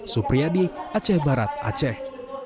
supriyadi aceh barat aceh